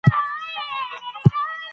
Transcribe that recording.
نننۍ ټولنپوهنه ډېره پرمختللې ده.